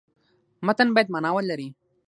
متن باید معنا ولري.